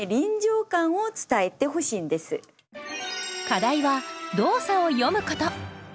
課題は動作を詠むこと。